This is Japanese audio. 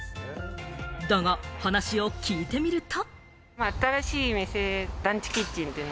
だが話を聞いてみると。